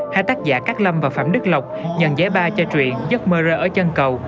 hai tác giả cát lâm và phạm đức lộc nhận giải ba cho chuyện giấc mơ rơ ở chân cầu